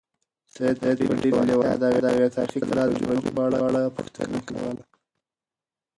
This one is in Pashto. سعید په ډېرې لېوالتیا د هغې تاریخي کلا د برجونو په اړه پوښتنه کوله.